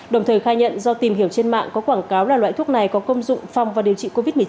đồng thời khai nhận do tìm hiểu trên mạng có quảng cáo là loại thuốc này có công dụng phòng và điều trị covid một mươi chín